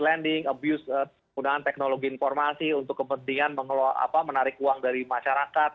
penggunaan teknologi informasi untuk kepentingan menarik uang dari masyarakat